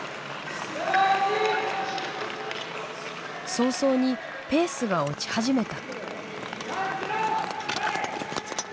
早々にペースが落ち始めた。